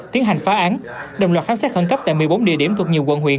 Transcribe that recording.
tiến hành phá án đồng loạt khám xét khẩn cấp tại một mươi bốn địa điểm thuộc nhiều quận huyện